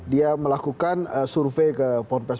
dia melakukan survei ke ponpes